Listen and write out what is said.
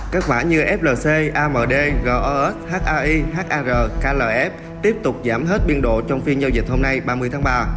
các mã như flc amd ros hai har klf tiếp tục giảm hết biên độ trong phiên giao dịch hôm nay ba mươi tháng ba